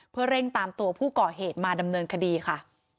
เพื่อเร่งตามตัวผู้ก่อเหตุมาดำเนินคดีค่ะ